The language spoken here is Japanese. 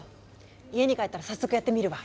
家に帰ったら早速やってみるわ！